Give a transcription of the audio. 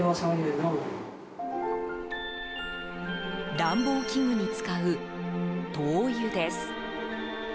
暖房器具に使う灯油です。